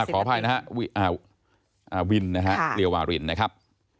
ขอภัยนะครับวินเรียววารินนะครับ